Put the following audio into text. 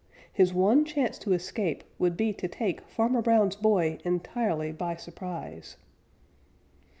His one chance to escape would be to take Farmer Brown's boy entirely by surprise.